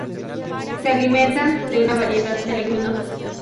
Se alimentan de una variedad de leguminosas.